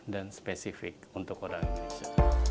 dan spesifik untuk orang indonesia